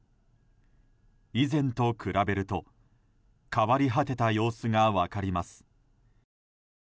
以前と比べると変わり果てた様子が分かります。